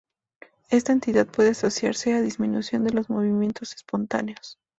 Esta entidad puede asociarse a disminución de los movimientos espontáneos.